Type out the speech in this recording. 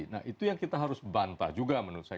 nah itu yang kita harus bantah juga menurut saya